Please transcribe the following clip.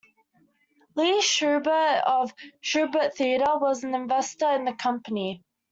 Lee Shubert of Shubert Theater was an investor in the company.